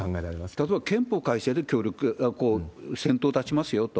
例えば憲法改正で協力、先頭立ちますよと。